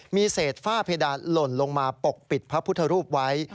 มีเศษฝ้าเพดานหล่นลงมาปกปิดพระพุทธรูปไว้